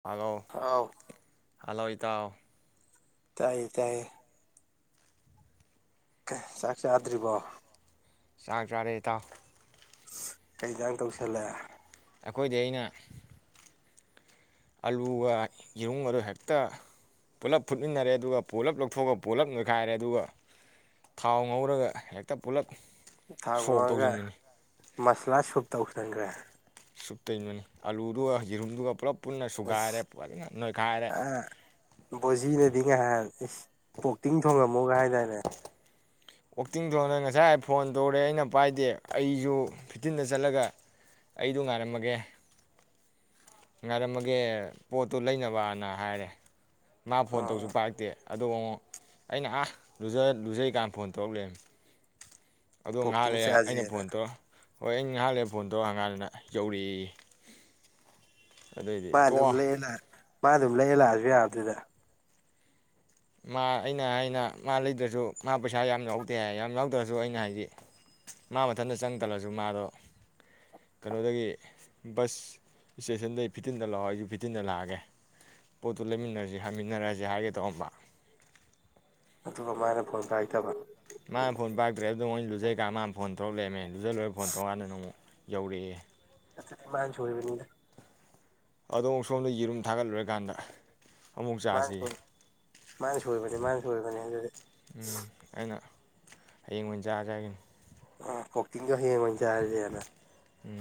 Hello ꯍꯥꯎ hello ꯏꯇꯥꯎ ꯇꯥꯏꯌꯦ ꯇꯥꯏꯌꯦ ꯆꯥꯛ ꯆꯥꯗ꯭ꯔꯤꯕꯣ ꯆꯥꯛ ꯆꯥꯔꯦ ꯏꯇꯥꯎ ꯀꯩꯍꯤꯟꯖꯥꯡ ꯇꯧꯁꯜꯂꯦ ꯑꯩꯈꯣꯏꯗꯤ ꯑꯩꯅ ꯑꯂꯨꯒ ꯌꯦꯔꯨꯝꯒꯗꯣ ꯍꯦꯛꯇ ꯄꯨꯂꯞ ꯐꯨꯠꯃꯤꯟꯅꯔꯦ ꯑꯗꯨꯒ ꯄꯨꯂꯞ ꯂꯧꯊꯣꯛꯑꯒ ꯄꯨꯜꯂꯞ ꯅꯣꯏꯈꯥꯏꯔꯦ ꯑꯗꯨꯒ ꯊꯥꯎ ꯉꯧꯔꯒ ꯍꯦꯛꯇ ꯄꯨꯂꯞ ꯊꯥꯎ ꯉꯧꯔꯙ ꯃꯁꯥꯂꯥ ꯁꯨꯨꯞ ꯇꯧꯁꯟꯒ꯭ꯔꯦ ꯁꯨꯞ ꯇꯩꯕꯅꯤ ꯑꯂꯨꯗꯨꯒ ꯌꯦꯔꯨꯝꯗꯨꯒ ꯄꯨꯂꯞ ꯄꯨꯟꯅ ꯑꯁ ꯁꯨꯒꯥꯏꯔꯦ ꯐꯖꯅ ꯅꯣꯏꯈꯥꯏꯔꯦ ꯑ ꯕꯣꯖꯤꯅꯗꯤ ꯉꯥꯏꯍꯥꯟ ꯏꯁ ꯄꯣꯛꯇꯤꯡ ꯊꯣꯡꯉꯝ ꯃꯨꯒ ꯍꯥꯏꯗꯥꯏꯅꯦ ꯑꯣꯛꯇꯤꯡ ꯊꯣꯡꯅ ꯉꯁꯥꯏ ꯐꯣꯟ ꯇꯧꯔꯦ ꯑꯩꯅ ꯄꯥꯏꯗꯦ ꯑꯩꯁꯨ ꯐꯤꯐꯇꯤꯟꯗ ꯆꯠꯂꯒ ꯑꯩꯗꯣ ꯉꯥꯏꯔꯝꯃꯒꯦ ꯉꯥꯏꯔꯝꯃꯒꯦ ꯄꯣꯠꯇꯨ ꯂꯩꯅꯕꯅ ꯍꯥꯏꯔꯦ ꯃꯥ ꯐꯣꯟ ꯑꯣ ꯇꯧꯁꯨ ꯄꯥꯔꯛꯇꯦ ꯑꯗꯨꯒ ꯑꯃꯨꯛ ꯑꯩꯅ ꯑꯥ ꯂꯨꯖꯩꯀꯥꯟꯗ ꯐꯣꯟ ꯇꯧꯔꯛ ꯂꯩꯃꯤ ꯑꯗꯣ ꯄꯣꯛꯇꯤꯡ ꯉꯥꯏꯍꯥꯛꯂꯩꯔꯥ ꯑꯩꯅ ꯆꯥꯖꯦꯅ ꯐꯣꯟ ꯇꯧꯔ ꯍꯣꯏ ꯑꯩ ꯉꯍꯥꯛꯂꯩꯔꯥ ꯐꯣꯟ ꯇꯧꯔꯕꯥ ꯍꯪꯒꯟꯗꯥ ꯌꯧꯔꯛꯏ ꯑꯗꯩꯗꯤ ꯃꯥ ꯑꯗꯨꯝ ꯇꯣꯋꯥ ꯂꯩꯔ ꯂꯥꯛ ꯃꯥ ꯑꯗꯨꯝ ꯂꯩꯌꯦ ꯂꯥꯛꯑꯁꯨ ꯌꯥꯔꯗꯨꯗ ꯃꯥ ꯑꯩꯅ ꯍꯥꯏꯅ ꯃꯥ ꯂꯩꯇ꯭ꯔꯁꯨ ꯃꯥ ꯄꯩꯁꯥ ꯌꯥꯝ ꯌꯥꯎꯗꯦ ꯍꯥꯏ ꯌꯥꯏ ꯌꯥꯎꯗ꯭ꯔꯁꯨ ꯑꯩꯅ ꯍꯥꯏꯗꯤ ꯃꯥ ꯃꯊꯟꯇ ꯆꯪ ꯇꯜꯂꯁꯨ ꯃꯥꯗꯣ ꯀꯩꯅꯣꯗꯒꯤ ꯕꯁ ꯏꯁꯇꯦꯁꯟꯗꯒꯤ ꯐꯤꯇꯤꯟꯗ ꯂꯥꯛꯑꯣ ꯑꯩꯁꯨ ꯐꯤꯇꯤꯟꯗ ꯂꯥꯛꯑꯒꯦ ꯄꯣꯠꯇꯨ ꯂꯩꯃꯤꯟꯅꯔꯁꯤ ꯍꯃꯤꯟꯅꯔꯁꯤ ꯍꯥꯏꯒꯦ ꯇꯧꯔꯝꯕ ꯑꯗꯨꯒ ꯃꯥꯅ ꯐꯣꯟ ꯄꯥꯏꯔꯛꯇꯕ ꯃꯥꯅ ꯐꯣꯟ ꯄꯥꯛꯇ꯭ꯔꯦꯕꯗꯣ ꯃꯣꯏ ꯂꯨꯖꯩꯀꯥꯟ ꯃꯥꯅ ꯐꯣꯟ ꯇꯧꯔꯛ ꯂꯩꯔꯝꯃꯦ ꯂꯨꯖꯥ ꯂꯣꯏꯔꯥ ꯐꯣꯅ ꯇꯧꯒꯟꯗ ꯑꯃꯨꯛ ꯌꯧꯔꯛꯑꯦ ꯑꯗꯨꯗꯤ ꯃꯥꯅ ꯁꯣꯏꯕꯅꯤꯅꯦ ꯑꯗꯣ ꯁꯣꯝꯗ ꯌꯦꯔꯨꯝ ꯊꯥꯒꯠꯂꯨꯔꯀꯥꯟꯗ ꯃꯥꯅ ꯁꯣꯏ ꯃꯥꯅ ꯁꯣꯏꯕꯅꯤ ꯃꯥꯅ ꯁꯣꯏꯕꯅꯤ ꯑꯗꯨꯗꯤ ꯎꯝ ꯑꯩꯅ ꯍꯌꯦꯡ ꯑꯣꯏꯅ ꯆꯥꯔꯁꯤ ꯍꯥꯏꯈꯤꯝꯅꯦ ꯑꯥ ꯀꯣꯛꯀꯤꯡꯗꯨ ꯍꯌꯦꯡ ꯑꯣꯏꯅ ꯆꯥꯔꯤꯁꯦꯅ ꯎꯝ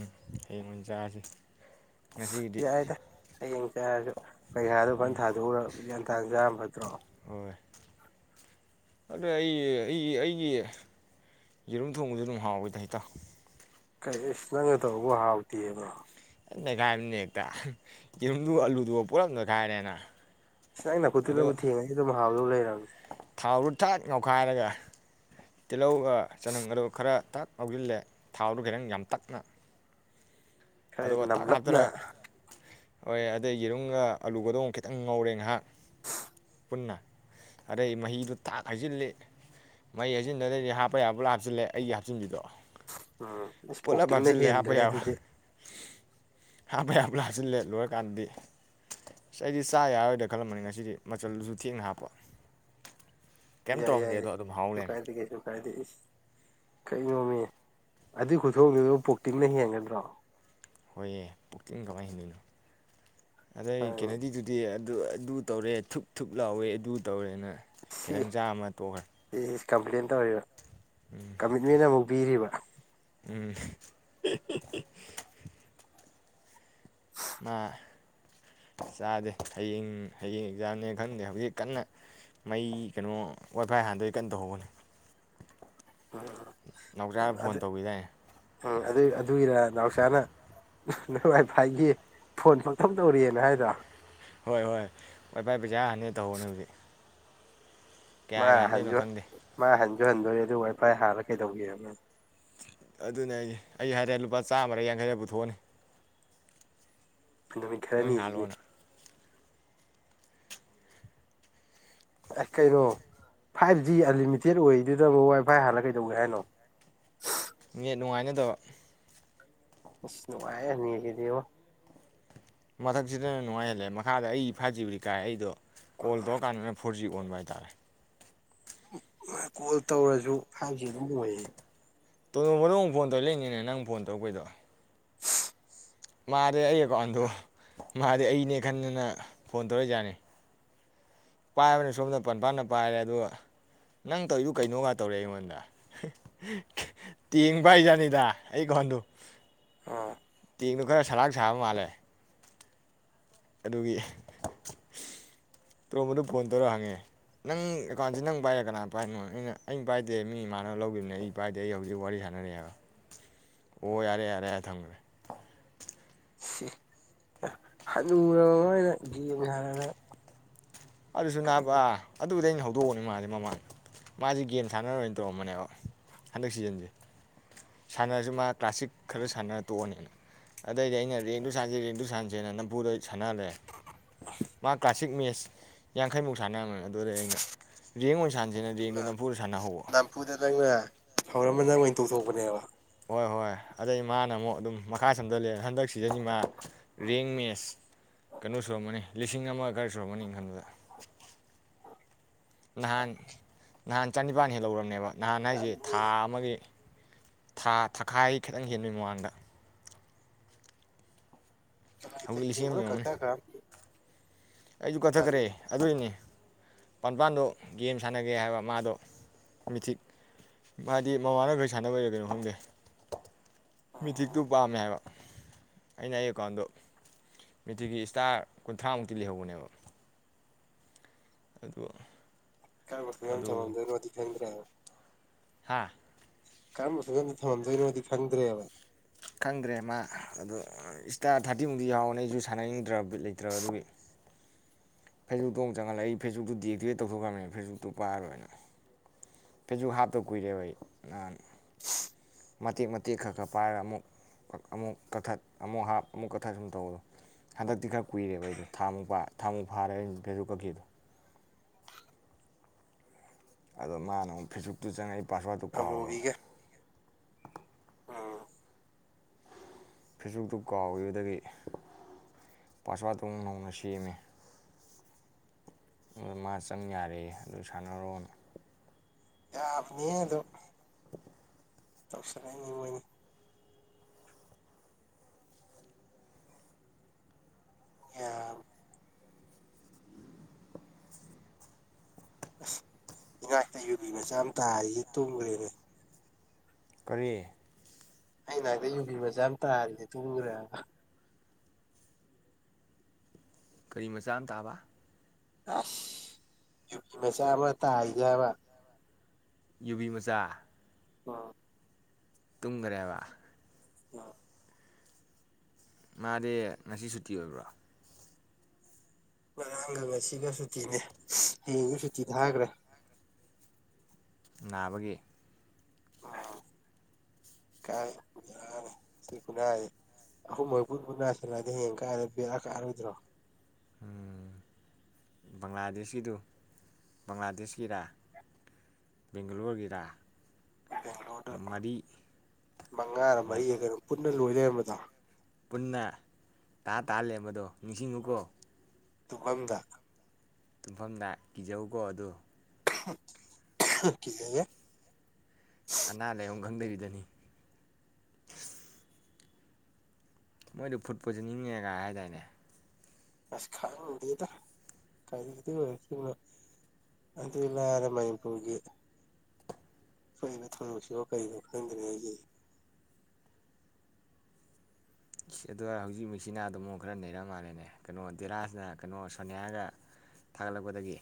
ꯍꯌꯦꯡ ꯑꯣꯏꯅ ꯆꯥꯔꯁꯤ ꯉꯁꯤꯒꯤꯗꯤ ꯌꯥ ꯑꯗꯨ ꯄꯩꯈꯥꯗꯣ ꯐꯖꯅ ꯊꯥꯗꯣꯛꯎꯔꯒ ꯒ꯭ꯌꯥꯟ ꯇꯥꯅ ꯆꯥꯅ ꯅꯠꯇ꯭ꯔꯣ ꯍꯣꯏ ꯑꯗꯨꯗ ꯑꯩ ꯑꯩꯒꯤ ꯑꯩꯒꯤ ꯌꯦꯔꯨꯝ ꯊꯣꯡꯕꯗ ꯑꯗꯨꯝ ꯍꯥꯎꯋꯦꯗ ꯏꯇꯥꯥꯎ꯫ ꯀꯩꯁ ꯅꯪꯅ ꯇꯧꯕꯕꯨ ꯍꯥꯎꯇꯦꯕꯣ ꯑ ꯅꯩꯈꯥꯏꯕꯅꯤ ꯍꯦꯛꯇ ꯌꯦꯔꯨꯝꯗꯨꯒ ꯑꯂꯨꯗꯨꯒ ꯄꯨꯂꯥꯞ ꯅꯣꯏꯈꯥꯏꯔꯦꯅ ꯅꯪ ꯅꯈꯨꯠꯇꯨꯅꯕꯨ ꯊꯦꯡꯉꯅꯤ ꯑꯗꯨꯝ ꯍꯥꯎꯗꯧ ꯂꯩꯔꯝꯅꯦ꯫ ꯊꯥꯎꯗꯨ ꯊꯠ ꯉꯧꯈꯥꯏꯔꯒ ꯇꯤꯜꯍꯧꯒ ꯆꯅꯝꯒꯗ ꯈꯔ ꯇꯥꯛ ꯉꯥꯎꯁꯤꯜꯂꯦ ꯊꯥꯎꯗꯣ ꯈꯤꯇꯪ ꯌꯥꯝ ꯇꯛꯅ ꯈꯔ ꯑꯗꯨꯒ ꯊꯥꯛ ꯅꯝꯂꯞꯅ ꯍꯥꯞꯆꯤꯜꯂꯒ ꯍꯣꯏ ꯑꯗꯩ ꯌꯦꯔꯨꯝꯒ ꯑꯂꯨꯒꯗꯣ ꯑꯃꯨꯛ ꯈꯤꯇꯪ ꯉꯧꯔꯦ ꯉꯍꯥꯛ ꯄꯨꯟꯅ ꯑꯗꯩ ꯃꯍꯤꯗꯨꯣ ꯇꯥꯛ ꯍꯩꯖꯤꯜꯂꯤ ꯃꯍꯤ ꯍꯩꯖꯤꯟꯗꯨꯗꯩꯗꯤ ꯍꯥꯞꯄ ꯌꯥꯕ ꯄꯨꯂꯞ ꯍꯥꯞꯆꯤꯜꯂꯦ ꯑꯩꯒꯤ ꯍꯥꯞꯆꯤꯟꯕꯤꯗꯣ꯫ ꯎꯝ ꯑꯁ ꯄꯨꯂꯞ ꯄꯣꯛꯇꯤꯛꯅ ꯍꯥꯞꯆꯤꯜꯂꯦ ꯍꯥꯞꯄ ꯍꯦꯟꯗ꯭ꯔꯦꯍꯦ ꯌꯥꯕ ꯑꯗꯨꯗꯤ꯫ ꯍꯥꯞꯄ ꯌꯥꯕ ꯍꯥꯞꯆꯜꯂꯦ ꯂꯣꯏꯔꯀꯥꯟꯗꯗꯤ ꯑꯁ ꯑꯩꯗꯤ ꯆꯥ ꯌꯥꯔꯣꯏꯗ꯭ꯔꯥ ꯈꯜꯂꯝꯕꯅꯤ ꯉꯁꯤꯗꯤ ꯃꯆꯜꯗꯨꯁꯨ ꯊꯦꯡꯅ ꯍꯥꯞꯄ꯫ ꯀꯩꯝ ꯌꯥꯏ ꯌꯥꯏ ꯇꯧꯔꯝꯗꯦ ꯌꯥꯏ ꯑꯗꯣ ꯑꯗꯨꯝ ꯍꯥꯎ ꯀꯩꯁꯨ ꯂꯩꯔꯝꯃꯦ ꯀꯥꯏꯗꯦ ꯀꯩꯁꯨ ꯀꯥꯏꯗꯦ ꯏꯁ ꯀꯩꯅꯣꯃꯦ ꯑꯗꯨꯏ ꯈꯨꯊꯣꯡꯗꯨꯗ ꯄꯣꯛꯇꯤꯡꯅ ꯍꯦꯟꯒꯗ꯭ꯔꯣ꯫ ꯍꯣꯏꯍꯦ ꯄꯣꯛꯇꯤꯡ ꯀꯃꯥꯏꯅ ꯍꯦꯟꯗꯣꯏꯅꯣ꯫ ꯑꯗꯩ ꯑꯗꯨꯅꯤ ꯀꯩꯅꯦꯗꯤꯗꯨꯗꯤ꯫ ꯑꯗꯨ ꯑꯗꯨ ꯇꯧꯔꯦ ꯊꯨꯞ ꯊꯨꯞ ꯂꯥꯎꯋꯦ ꯑꯗꯨ ꯇꯧꯔꯦꯅ ꯁꯤ ꯈꯤꯇꯪ ꯆꯥꯔꯝꯃ ꯇꯣꯛꯈ꯭ꯔꯦ꯫ ꯏꯁ ꯀꯝꯄ꯭ꯂꯦꯟ ꯇꯧꯔꯤꯔꯣ꯫ ꯀꯃꯤꯠꯃꯦꯟ ꯑꯃꯨꯛ ꯄꯤꯔꯤꯕ꯫ ꯎꯝ ꯃꯥ ꯆꯥꯗꯦ ꯍꯌꯦꯡ ꯍꯌꯦꯡ ꯑꯦꯛꯖꯥꯝꯅꯦ ꯈꯟꯗꯦ ꯍꯧꯖꯤꯛ ꯀꯟꯅ ꯃꯩ ꯀꯩꯅꯣ ꯋꯥꯏꯐꯥꯏ ꯍꯥꯟꯗꯣꯏ ꯀꯟꯅ ꯇꯧꯍꯧꯕꯅꯤ꯫ ꯎꯝ ꯑꯗꯨ ꯇꯧꯈꯤꯗꯥꯏꯅꯦ ꯎꯝ ꯑꯗꯨ ꯑꯗꯨꯒꯤꯔ ꯅꯥꯎꯆꯥꯅ ꯅꯣꯏ ꯋꯥꯏꯐꯥꯏꯒꯤ ꯐꯣꯟ ꯄꯪꯇꯧ ꯇꯧꯔꯛꯑꯦꯅ ꯍꯥꯏꯗꯣ ꯍꯣꯏ ꯍꯣꯏ ꯋꯥꯏꯐꯥꯏ ꯄꯩꯁꯥ ꯍꯥꯟꯅꯤ ꯇꯧꯕꯅꯦ ꯍꯧꯖꯤꯛ ꯃꯥ ꯀꯌꯥꯒꯤ ꯍꯥꯟꯗꯣꯏꯅꯣ ꯍꯟꯖꯨ ꯈꯪꯗꯦ ꯃꯥ ꯍꯟ ꯨ ꯍꯟꯗꯣꯔꯦ ꯑꯗꯨ ꯋꯥꯏꯐꯥꯏ ꯍꯥꯜꯂꯒ ꯀꯩꯗꯧꯒꯦꯅꯣ ꯑꯗꯨꯅꯦ ꯍꯥꯏꯁꯦ ꯑꯩ ꯍꯥꯏꯔꯦ ꯂꯨꯄꯥ ꯆꯥꯝꯃꯔ ꯌꯥꯡꯈꯩꯔ ꯄꯨꯊꯣꯛ ꯑꯅꯤ ꯅꯨꯃꯤꯠ ꯈꯔꯅꯤꯁꯤꯒꯤ ꯍꯥꯜꯂꯣꯅ ꯑꯦ ꯀꯩꯅꯣ ꯐꯥꯏꯚ ꯖꯤ ꯑꯟꯂꯤꯃꯤꯇꯦꯠ ꯑꯣꯏꯗꯨꯗꯕꯨ ꯋꯥꯏꯐꯥꯏ ꯍꯥꯜꯂ ꯀꯩꯗꯧꯒꯦ ꯍꯥꯏꯅꯣ ꯅꯦꯠ ꯅꯨꯡꯉꯥꯏꯅꯗꯕ ꯎꯁ ꯅꯨꯉꯥꯏꯍꯦ ꯅꯦꯠ ꯀꯤꯗꯤꯉꯣ ꯃꯊꯛꯁꯤꯗꯅ ꯅꯨꯡꯉꯥꯏꯍꯜꯂꯦ ꯃꯈꯥꯗ ꯑꯩ ꯐꯥꯏꯚ ꯖꯤꯕꯨꯗꯤ ꯀꯥꯏ ꯑꯩꯗꯣ ꯀꯣꯜ ꯇꯧꯔꯀꯥꯟꯗꯅ ꯐꯣꯔ ꯖꯤ ꯑꯣꯟꯕ ꯍꯥꯏꯇꯥꯔꯦ ꯀꯣꯜ ꯇꯧꯔꯁꯨ ꯐꯥꯏꯚ ꯖꯤ ꯑꯗꯨꯝ ꯑꯣꯏꯌꯦ ꯇꯣꯂꯣꯝꯕꯗꯣ ꯑꯃꯨꯛ ꯐꯣꯟ ꯇꯧ ꯂꯦꯡꯅꯤꯅꯦ ꯅꯪ ꯐꯣꯟ ꯇꯧꯔꯛꯄꯩꯗꯣ ꯃꯥꯗꯤ ꯑꯩ ꯑꯦꯀꯥꯎꯟꯗꯣ ꯃꯥꯗꯤ ꯑꯩꯅꯦ ꯈꯟꯗꯅ ꯐꯣꯟ ꯇꯧꯔꯛꯏ ꯖꯥꯠꯅꯤ ꯄꯥꯏꯕꯅꯤ ꯁꯣꯝꯗ ꯄꯟꯄꯥꯅ ꯄꯥꯏꯔꯦ ꯑꯗꯨꯒ ꯅꯪ ꯇꯧꯔꯤꯗꯨ ꯀꯩꯅꯣꯒꯥ ꯇꯧꯔꯛꯑꯦ ꯑꯩꯉꯣꯟꯗ ꯇꯦꯡ ꯄꯥꯏꯔꯤ ꯖꯥꯠꯅꯤꯗ ꯑꯩ ꯑꯦꯀꯥꯎꯟꯗꯨ ꯑ ꯇꯦꯡꯗꯣ ꯈꯔ ꯁꯂꯥꯛ ꯁꯥꯕ ꯃꯥꯜꯂꯦ ꯑꯗꯨꯒꯤ ꯇꯣꯔꯣꯝꯕꯗꯨ ꯐꯣꯟ ꯇꯧꯔ ꯍꯪꯉꯦ ꯅꯪ ꯑꯦꯀꯥꯎꯟꯁꯦ ꯅꯪ ꯄꯥꯏꯔ ꯀꯅꯥ ꯄꯥꯏꯅꯣ ꯑꯩꯅ ꯑꯩ ꯄꯥꯏꯗꯦ ꯃꯤ ꯏꯃꯥꯟꯅꯕ ꯂꯧꯒꯤꯕꯅꯤ ꯑꯩ ꯄꯥꯏꯗꯦ ꯑꯩ ꯍꯧꯖꯤꯛ ꯋꯥꯔꯤ ꯁꯥꯟꯅꯔꯤ ꯍꯥꯏꯕ ꯑꯣ ꯌꯥꯔꯦ ꯌꯥꯔꯦ ꯍꯥꯏꯔ ꯊꯝꯒ꯭ꯔꯦ ꯍꯅꯨꯔꯕ ꯃꯣꯏꯅ ꯒꯦꯝ ꯁꯥꯟꯅꯗꯅ ꯑꯗꯨꯁꯨ ꯀꯔꯤ ꯅꯥꯕ ꯑꯗꯨꯗ ꯑꯩꯅ ꯍꯧꯗꯣꯛꯑꯑꯣꯅꯦ ꯃꯥꯁꯦ ꯃꯃꯥꯡꯗ ꯃꯥꯁꯤ ꯒꯦꯝ ꯁꯥꯟꯅꯔꯣꯏꯅ ꯇꯧꯔꯝꯕꯅꯦꯕ ꯍꯟꯗꯛ ꯁꯤꯖꯟꯁꯦ ꯁꯥꯟꯅꯔꯁꯨ ꯃꯥ ꯀ꯭ꯂꯥꯁꯤꯛ ꯈꯔ ꯁꯥꯟꯅꯔ ꯇꯣꯛꯑꯅꯤꯅ ꯑꯗꯩꯗꯤ ꯑꯩꯅ ꯔꯦꯡꯗꯨ ꯁꯥꯟꯁꯦ ꯔꯦꯡꯗꯨ ꯁꯥꯟꯁꯦꯅ ꯅꯝꯐꯨꯗ ꯁꯥꯟꯅꯍꯜꯂꯦ ꯃꯥ ꯀ꯭ꯂꯁꯤꯛ ꯃꯁ [inaudible] ꯌꯥꯡꯈꯩ ꯃꯨ ꯁꯟꯅꯔꯝ ꯑꯗꯨ ꯑꯣꯏꯔ ꯑꯩꯅ ꯔꯦꯡ ꯑꯣꯏꯅ ꯁꯥꯟꯁꯤꯅ ꯔꯦꯡꯗꯣ ꯑꯗꯨꯒ ꯅꯝꯐꯨꯗ ꯁꯥꯟꯅꯍꯧꯕ ꯊꯧꯔꯝ ꯑꯃ ꯅꯪ ꯑꯣꯏꯅ ꯇꯧꯊꯣꯛꯄꯅꯦꯕ ꯍꯣꯏ ꯍꯣꯏ ꯑꯗꯩ ꯃꯥꯅ ꯑꯃꯨꯛ ꯑꯗꯨꯝ ꯃꯈꯥ ꯁꯝꯊ ꯂꯩ ꯅꯍꯥꯟ ꯅꯍꯥꯟ ꯆꯅꯤꯄꯥꯟ ꯍꯦꯛ ꯂꯧꯔꯝꯅꯦꯕ ꯅꯍꯥꯟ ꯍꯥꯏꯁꯤ ꯊꯥ ꯉꯝꯃꯤꯍꯦ ꯑꯃꯒꯤ ꯊꯥ ꯊꯥꯈꯥꯏ ꯈꯤꯇꯪ ꯍꯦꯟꯕꯩ ꯃꯃꯥꯡꯗ ꯍꯧꯖꯤꯛ ꯂꯤꯁꯤꯡ ꯑꯃ ꯌꯦꯡꯉꯨꯅꯦ ꯌꯧꯔꯝꯃꯅꯤ ꯀꯛꯊꯈ꯭ꯔ ꯑꯩꯁꯨ ꯇꯟ ꯀꯠꯊꯈ꯭ꯔꯦ ꯑꯗꯨꯏꯅꯦ ꯄꯥꯟꯄꯥꯟꯗꯣ ꯒꯦꯝ ꯁꯥꯟꯅꯒꯦ ꯍꯥꯏꯕ ꯃꯥꯗꯣ ꯃꯤꯊꯤꯛ ꯃꯥꯗꯤ ꯃꯃꯥꯅꯈꯩ ꯁꯥꯟꯅꯕꯣꯏꯔ ꯀꯩꯅꯣ ꯈꯪꯗꯦ ꯃꯤꯊꯤꯛꯇꯨ ꯄꯥꯝꯃꯦ ꯍꯥꯏꯕ ꯑꯩꯅ ꯑꯩ ꯑꯦꯀꯥꯎꯟꯗꯣ ꯃꯤꯇꯤꯛꯀꯤ ꯏꯁꯇꯥꯔ ꯀꯨꯟꯊ꯭ꯔꯥꯃꯨꯛ ꯂꯩꯍꯧꯕꯅꯦꯕ ꯑꯗꯨ ꯀꯥꯔꯝꯕ ꯐꯤꯕꯥꯝꯗ ꯊꯅꯝꯗꯣꯏꯅꯣ ꯗꯤ ꯈꯪꯗ꯭ꯔꯦꯕ ꯍꯥꯥ ꯀꯔꯝꯕ ꯐꯤꯚꯝꯗ ꯊꯝꯍꯟꯗꯣꯏꯅꯣꯗꯤ ꯈꯪꯗ꯭ꯔꯦꯕ ꯈꯪꯗ꯭ꯔꯦ ꯃꯥ ꯑꯗꯣ ꯏꯁꯇꯥꯔ ꯊꯥꯔꯇꯤꯃꯨꯛꯇꯗꯤ ꯌꯥꯎꯋꯅꯦ ꯑꯩꯁꯨ ꯁꯥꯟꯅꯅꯤꯡꯗ꯭ꯔꯕ ꯕꯤꯠ ꯂꯩꯇ꯭ꯔꯕ ꯑꯗꯨꯒꯤ ꯐꯦꯁꯕꯨꯛꯇꯣ ꯑꯃꯨꯛ ꯆꯪꯍꯜꯂꯛ ꯑꯩ ꯐꯦꯁꯕꯨꯛꯇꯨ ꯗꯤꯑꯦꯛꯇꯤꯚꯦꯠ ꯇꯧꯊꯣꯛꯈ꯭ꯔꯕꯅꯤꯅ ꯐꯦꯁꯕꯨꯛꯇꯨ ꯄꯥꯏꯔꯣꯏꯅ ꯐꯦꯁꯕꯨꯛ ꯍꯥꯞꯇ ꯀꯨꯏꯔꯦꯕ ꯑꯩ ꯅꯍꯥꯟ ꯃꯇꯦꯛ ꯃꯇꯦꯛ ꯈꯔ ꯈꯔ ꯄꯥꯏꯔꯒ ꯑꯃꯨꯛ ꯑꯃꯨꯛ ꯀꯛꯊꯠ ꯑꯃꯨꯛ ꯍꯥꯞ ꯑꯃꯨꯛ ꯀꯛꯊꯠ ꯁꯨꯝ ꯇꯧꯕꯗꯣ ꯍꯟꯗꯛꯇꯤ ꯈꯔ ꯀꯨꯏꯔꯦꯕ ꯑꯩꯗꯣ ꯊꯥ ꯑꯃꯨꯛ ꯊꯥꯃꯨꯛ ꯐꯥꯔ ꯐꯦꯖꯨ ꯀꯛꯈꯤꯗꯣ ꯑꯗꯣ ꯃꯥꯅ ꯑꯃꯨꯛ ꯐꯤꯁꯨꯨꯞꯇꯨ ꯆꯪꯉꯛꯏ ꯄꯥꯁꯋꯥꯔꯗ ꯇꯨ ꯀꯥꯎꯈꯔꯕ ꯑꯃꯨꯕꯤꯒ ꯎꯝ ꯐꯦꯁꯕꯨꯛꯇꯨ ꯀꯥꯎꯈꯤꯕꯗꯒꯤ ꯄꯥꯁꯋꯥꯠꯇꯨ ꯑꯃꯨꯛ ꯅꯧꯅ ꯁꯦꯝꯃꯦ ꯑꯗꯨ ꯃꯥ ꯆꯪ ꯌꯥꯔꯦ ꯑꯗꯨ ꯁꯥꯟꯅꯔꯣꯅ ꯌꯥ ꯑꯅꯤ ꯑꯗꯨꯝ ꯇꯧꯁꯟꯅꯩꯅꯤ ꯃꯣꯏꯅꯤ ꯌꯥꯕ ꯑꯁ ꯏꯅꯥꯛꯇ ꯌꯨꯕꯤ ꯃꯆꯥ ꯑꯃ ꯇꯥꯔꯤꯁꯦ ꯇꯨꯝꯈ꯭ꯔꯦ ꯅꯦ ꯀꯔꯤ ꯑꯩꯅꯥꯛꯇ ꯌꯨꯕꯤ ꯃꯆꯥꯑꯝ ꯇꯥꯔꯤꯁꯦ ꯇꯨꯈ꯭ꯔꯦꯕ ꯀꯔꯤ ꯃꯆꯥ ꯑꯃ ꯇꯥꯕ ꯑꯁ ꯌꯨꯕꯤ ꯃꯆꯥ ꯑꯃꯥ ꯇꯔꯤꯁꯦ ꯍꯥꯏꯕ ꯌꯨꯕꯤꯃꯆꯥ ꯑ ꯇꯨꯡꯒꯔꯦꯕ ꯑ ꯃꯥꯗꯤ ꯉꯁꯤ ꯁꯨꯇꯤ ꯑꯣꯏꯕ꯭ꯔꯣ ꯉꯔꯥꯡꯒ ꯉꯁꯤꯒ ꯁꯨꯇꯤꯅꯦ ꯍꯌꯦꯡꯒ ꯁꯨꯇꯤ ꯊꯥꯈ꯭ꯔꯦ ꯅꯥꯕꯒꯤ ꯑ ꯀꯥꯏ ꯕꯦꯔꯥꯅꯦ ꯁꯤ ꯈꯨꯅꯥꯁꯦ ꯑꯍꯨꯝꯃꯛ ꯄꯨꯟ ꯄꯨꯟꯅꯥ ꯅꯥꯁꯤꯜꯂꯛꯑꯗꯤ ꯍꯌꯦꯡ ꯀꯥꯏꯗꯩ ꯕꯦꯔꯥ ꯀꯥꯔꯣꯏꯗ꯭ꯔꯣ ꯎꯝ ꯕꯪꯂꯥꯗꯦꯁꯀꯤꯗꯨ ꯕꯪꯂꯥꯗꯦꯁꯀꯤꯔꯥ ꯕꯦꯡꯒ꯭ꯂꯣꯔꯒꯤꯔꯥ ꯕꯦꯡꯒꯂꯣꯔꯗ ꯃꯉꯥꯔꯥ ꯃꯔꯤꯔꯥ ꯀꯩꯅꯣ ꯄꯨꯟꯅ ꯂꯣꯏ ꯂꯩꯔ ꯃꯗꯣ ꯄꯨꯟꯅ ꯇꯥ ꯇꯥ ꯂꯩꯔꯝꯕꯗꯣ ꯅꯤꯡꯁꯤꯡꯉꯨꯀꯣ- ꯇꯨꯝꯐꯝꯗ ꯇꯨꯝꯐꯝꯗ ꯀꯤꯖꯧꯀꯣ ꯑꯗꯨ ꯍꯞ ꯀꯤꯖꯩꯍꯦ ꯑꯅꯥ ꯂꯥꯏꯌꯣꯡ ꯈꯪꯗꯕꯤ ꯗꯅꯤ ꯃꯣꯏꯗꯣ ꯐꯨꯗ ꯄꯣꯏꯖꯟꯅꯤꯡꯉꯦꯒꯥꯏ ꯍꯥꯏꯗꯥꯏꯅꯦ ꯑꯁ ꯈꯪꯗꯦꯗꯥ ꯀꯔꯤꯗꯩ ꯑꯣꯏꯔꯛꯈꯤꯕꯅꯣ ꯑꯗꯨ ꯂꯥꯏꯔꯅ ꯃꯅꯤꯄꯨꯔꯒꯤ ꯊꯣꯛꯏꯕ ꯊꯧꯗꯣꯛꯁꯤꯕꯧ ꯀꯔꯤꯅꯣ ꯈꯪꯗ꯭ꯔꯤꯉꯩꯖꯤꯗ ꯏꯁ ꯑꯗꯨ ꯍꯥꯏꯔ ꯍꯧꯖꯤꯛ ꯃꯦꯛꯁꯤꯅꯥꯗꯣꯃꯨꯛ ꯈꯔ ꯅꯩꯔ ꯃꯥꯜꯂꯦꯅꯦ ꯀꯩꯅꯣ ꯙꯤꯔꯥꯖꯅ ꯀꯩꯅꯣ ꯁꯣꯅꯤꯌꯥꯒ ꯊꯥꯒꯠꯂꯛꯄꯗꯒꯤ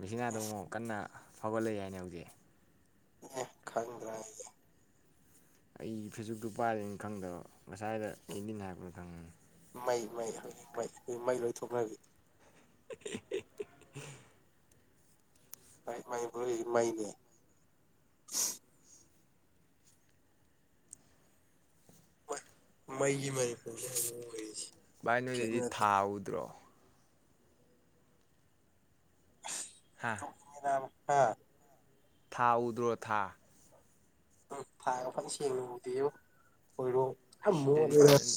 ꯃꯦꯛꯁꯤꯅꯥꯗꯣ ꯑꯃꯨꯛ ꯀꯟꯅ ꯐꯥꯎꯒꯠꯂꯛꯏ ꯍꯥꯏꯅꯦ ꯍꯧꯖꯤꯛ ꯏꯍꯦ ꯈꯪꯗ꯭ꯔꯥ ꯍꯥꯏꯖꯦ ꯑꯩ ꯐꯦꯁꯕꯨꯛꯇꯨ ꯄꯥꯏꯗꯕꯅꯤꯅ ꯈꯪꯗꯕ ꯉꯁꯥꯏꯗ ꯀꯦꯟꯗꯤꯅ ꯍꯥꯏꯔꯛꯄꯗ ꯈꯪꯕꯅꯤ ꯃꯩ ꯃꯩ ꯃꯩ ꯃꯩ ꯑꯈꯣꯏꯗꯤ ꯃꯩ ꯂꯣꯏ ꯊꯣꯛꯅꯕꯤ ꯍꯤꯛ--ꯍꯤꯛ--ꯍꯤꯛ ꯃꯅꯤꯄꯨꯔꯗ ꯂꯩꯔꯤꯖꯦ ꯃꯩꯅꯦ ꯃꯩꯒꯤ ꯃꯅꯤꯄꯨꯔꯅꯦ ꯍꯧꯖꯤꯛ ꯑꯣꯏꯔꯤꯖꯦ ꯚꯥꯏ ꯅꯣꯏꯗꯗꯤ ꯊꯥ ꯎꯗ꯭ꯔꯣ ꯍꯥ ꯑꯁ ꯇꯨꯝꯅꯤꯡꯉꯦ ꯅꯥꯕ ꯍꯥꯥ ꯊꯥ ꯎꯗ꯭ꯔꯣ ꯊꯥ ꯎꯝ ꯊꯥꯒ ꯐꯖꯅ ꯁꯦꯡꯅ ꯎꯗꯦꯕꯣ ꯍꯣꯏꯔꯣꯡ ꯐꯟ ꯁꯤꯗꯗꯤ ꯃꯣꯠꯂꯦꯅ ꯐꯖꯅ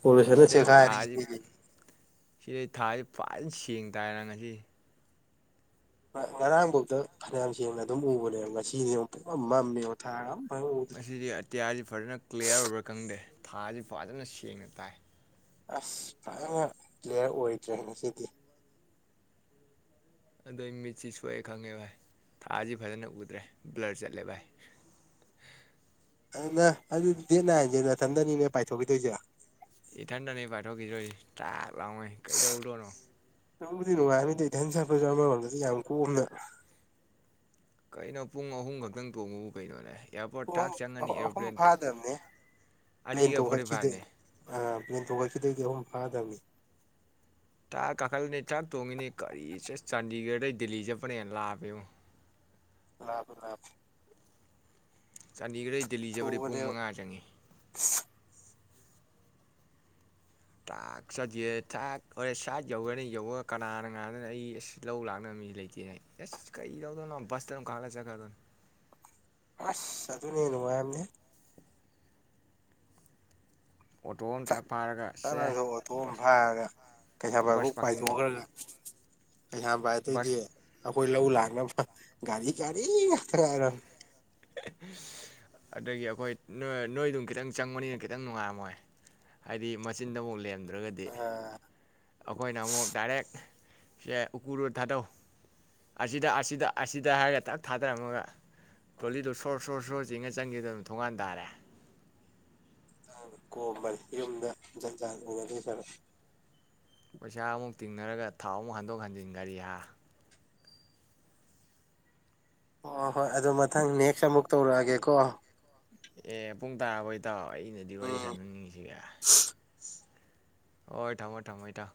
ꯄꯣꯂꯨꯁꯟꯅ ꯁꯤꯗꯩꯗꯤ ꯆꯦꯈꯥꯏꯔꯦ ꯊꯥꯁꯤ ꯗꯤꯂꯤꯖꯤ ꯁꯤꯗꯩ ꯊꯥꯖꯤ ꯐꯖꯟ ꯁꯦꯡꯅ ꯇꯥꯏ ꯅ ꯉꯁꯤꯗꯤ ꯉꯔꯥꯡꯐꯧꯗ ꯐꯅꯌꯥꯝ ꯁꯦꯡꯅ ꯑꯗꯨꯝ ꯎꯕꯅꯦꯕ ꯉꯁꯤꯗꯤꯑꯃꯨꯛ ꯄꯨꯡꯃꯝ ꯃꯝꯃꯦꯕꯣ ꯊꯥꯒ ꯑꯝ ꯉꯁꯤꯗꯤ ꯑꯇꯤꯌꯥꯁꯤ ꯐꯖꯅ ꯀ꯭ꯂꯤꯌꯥꯔ ꯑꯣꯏꯕ꯭ꯔꯥ ꯈꯪꯗꯦ ꯊꯥꯖꯤ ꯐꯖꯅ ꯁꯦꯡꯅ ꯇꯥꯏ ꯑꯁ ꯐꯖꯅ ꯀ꯭ꯂꯤꯌꯥꯔ ꯑꯣꯏꯗ꯭ꯔꯦꯍꯦ ꯉꯁꯤꯗꯤ ꯑꯗꯩ ꯃꯤꯠꯁꯤ ꯁꯣꯛꯑꯦ ꯈꯪꯉꯦ ꯚꯥꯏ ꯊꯥꯁꯤ ꯐꯖꯅ ꯎꯗ꯭ꯔꯦ ꯕ꯭ꯂꯔ ꯆꯠꯂꯦ ꯚꯥꯏ ꯑꯗꯨ ꯅꯪ ꯑꯗꯨꯗꯤ ꯗꯦꯠ ꯅꯥꯏꯟꯖꯦ ꯅꯥꯊꯟꯗꯅꯤꯅꯦ ꯄꯥꯏꯊꯣꯛꯈꯤꯗꯣꯏꯁꯦ ꯏꯊꯟꯗꯅꯤ ꯄꯥꯏꯊꯣꯛꯈꯤꯗꯣꯏꯖꯦ ꯇ꯭ꯔꯥꯛ ꯂꯥꯏꯃꯩ ꯀꯩꯗꯧꯗꯣꯏꯅꯣ ꯅꯨꯡꯕꯨꯗꯤ ꯅꯨꯡꯉꯥꯏꯕꯅꯤꯗ ꯏꯊꯟ ꯆꯠꯄꯖꯦ ꯑꯃꯔꯣꯝꯗꯗꯤ ꯌꯥꯝ ꯀꯣꯝꯅ ꯀꯩꯅꯣ ꯄꯨꯡ ꯑꯍꯨꯝ ꯈꯛꯇꯪ ꯇꯣꯡꯕꯕꯨ ꯀꯩꯅꯣꯅꯦ ꯑꯦꯌꯥꯔꯄꯣꯔꯠ ꯊꯥꯛ ꯨꯄꯨꯡ ꯆꯪꯉꯅꯤ ꯑꯍꯨ ꯑꯍꯨꯝ ꯑꯦꯔꯣꯄ꯭ꯂꯦꯟ ꯐꯥꯗꯕꯅꯤꯍꯦ ꯄ꯭ꯂꯦꯟ ꯑꯅꯤꯒ ꯐꯣꯔꯇꯤ ꯇꯣꯡꯈꯠꯈꯤꯗꯩ ꯐꯥꯏꯚꯅꯦ ꯑꯥ ꯊꯣꯛꯒꯛꯈꯗꯒꯤ ꯑꯍꯨꯝ ꯐꯥꯗꯕꯅꯤ ꯇꯔꯥꯛ ꯀꯥꯈꯠꯅꯤ ꯊꯛ ꯇꯣꯡꯉꯤꯅꯦ ꯀꯔꯤ ꯆꯥꯟꯗꯤꯒꯔꯗꯩ ꯗꯤꯜꯂꯤ ꯆꯠꯄꯅꯦꯅ ꯂꯥꯛꯄꯦ ꯂꯥꯞ ꯂꯥꯄꯤ ꯆꯥꯟꯗꯤꯒꯔꯗ ꯗꯦꯜꯂꯤꯖꯕꯗ ꯄꯨꯡ ꯊꯨꯕꯅꯦꯕ ꯃꯉꯥ ꯆꯪꯏ ꯊꯥꯛ ꯆꯗꯦ ꯊꯥꯛ ꯍꯣꯔꯦ ꯁꯥꯏꯠ ꯌꯧꯈ꯭ꯔꯅꯤ ꯌꯧꯔ ꯀꯅꯥꯅ ꯉꯥꯅꯗꯅ ꯑꯩ ꯑꯁ ꯂꯧ ꯂꯥꯛꯅꯕ ꯃꯤ ꯂꯩꯇꯦꯅ ꯑꯁ ꯀꯔꯤ ꯂꯧꯗꯣꯏꯅꯣ ꯕꯁꯇꯅꯝ ꯀꯥꯠꯂ ꯆꯠꯈ꯭ꯔꯗꯣꯏꯅꯣ ꯑꯁ ꯑꯗꯨꯅꯦ ꯅꯨꯡꯉꯥꯏꯕꯅꯤ ꯑꯣꯇꯣ ꯑꯃ ꯇꯥꯛ ꯐꯥꯔꯒ ꯆꯥꯡꯊ ꯁꯦ ꯑꯣꯊꯣ ꯑꯃ ꯕꯁ ꯐꯥꯔꯒ ꯕꯁ ꯀꯩꯁꯥꯝꯄꯥꯠꯐꯥꯎ ꯄꯥꯔꯀꯤꯡꯐꯧ ꯄꯥꯏꯊꯣꯛꯈ꯭ꯔꯒ ꯀꯩꯁꯥꯝꯄꯥꯠ ꯇꯩꯗꯤ ꯕꯁ ꯑꯩꯈꯣꯏ ꯂꯧ ꯂꯥꯛꯅꯕ ꯒꯥꯔꯤ ꯒꯥꯔꯤ ꯉꯥꯢꯔ ꯑꯗꯨꯒꯤ ꯑꯩꯈꯣꯏ ꯅꯣꯏꯗꯨꯝ ꯈꯤꯇꯪ ꯆꯪꯕꯅꯤꯅ ꯈꯤꯇꯪ ꯅꯨꯡꯉꯥꯝꯃꯣꯏ ꯍꯥꯏꯗꯤ ꯃꯆꯤꯟꯗ ꯑꯃꯨꯛ ꯂꯦꯝ ꯐꯟꯗ꯭ꯔꯒꯗꯤ ꯑꯥ ꯑꯩꯈꯣꯏꯅ ꯑꯃꯨꯛ ꯗꯥꯏꯔꯦꯛ ꯁꯦ ꯎꯀꯨꯔꯨ ꯊꯥꯗꯧ ꯑꯁꯤꯗ ꯑꯁꯤꯗ ꯑꯁꯤꯗ ꯍꯥꯏꯔꯒ ꯊꯛ ꯊꯥꯗꯔꯝꯃꯒ ꯇꯣꯂꯤꯗꯨꯣ ꯁꯣꯔ ꯁꯣꯔ ꯁꯣꯔ ꯆꯉ ꯆꯪꯈꯤꯗ ꯑꯗꯨꯝ ꯊꯣꯡꯉꯥꯟ ꯇꯥꯔꯦ ꯀꯣꯝꯕꯅꯤ ꯌꯔꯨꯝꯗ ꯖꯟꯖꯠ ꯌꯦꯅꯗꯣꯏꯖꯕ ꯄꯩꯁꯥ ꯑꯃꯨꯛ ꯇꯤꯡꯅꯔꯒ ꯊꯥꯎ ꯑꯃꯨꯛ ꯍꯟꯗꯣꯛ ꯍꯟꯖꯤꯟ ꯒꯥꯔꯤ ꯍꯥꯔ ꯑꯣ ꯍꯣꯏ ꯑꯗꯨ ꯃꯊꯪ ꯅꯦꯛꯁ ꯑꯃꯨꯛ ꯇꯧꯔꯛꯑꯒꯦꯀꯣ ꯑꯦ ꯄꯨꯡ ꯇꯔꯥꯕꯣ ꯏꯇꯥꯎꯑꯩ ꯑꯩꯅꯗꯤ ꯋꯥꯔꯤ ꯎꯝ ꯁꯥꯟꯅꯅꯤꯡꯉꯤꯁꯤꯒ ꯍꯣꯏ ꯊꯥꯡꯃꯣꯏ ꯊꯥꯡꯃꯣꯏ ꯊ